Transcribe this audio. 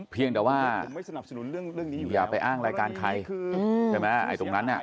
เพียงแต่ว่าอย่าไปอ้างรายการใครไอ้ตรงนั้นน่ะ